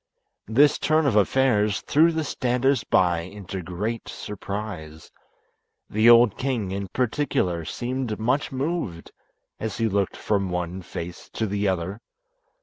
This turn of affairs threw the standers by into great surprise. The old king in particular seemed much moved as he looked from one face to the other.